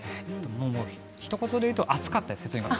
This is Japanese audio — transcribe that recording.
ひと言で言うと暑かったです。